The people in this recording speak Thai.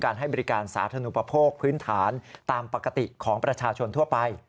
ให้บริการสาธารณูปโภคพื้นฐานตามปกติของประชาชนทั่วไป